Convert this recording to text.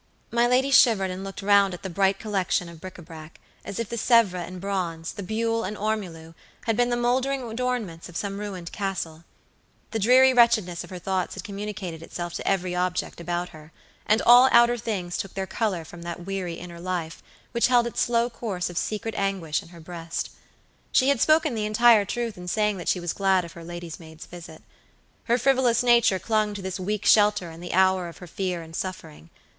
My lady shivered and looked round at the bright collection of bric a brac, as if the Sevres and bronze, the buhl and ormolu, had been the moldering adornments of some ruined castle. The dreary wretchedness of her thoughts had communicated itself to every object about her, and all outer things took their color from that weary inner life which held its slow course of secret anguish in her breast. She had spoken the entire truth in saying that she was glad of her lady's maid's visit. Her frivolous nature clung to this weak shelter in the hour of her fear and suffering.